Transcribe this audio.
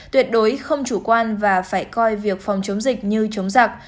tuyệt đối không chủ quan và phải coi việc phòng chống dịch như chống giặc